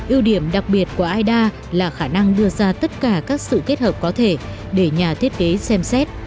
ưu điểm đặc biệt của ida là khả năng đưa ra tất cả các sự kết hợp có thể để nhà thiết kế xem xét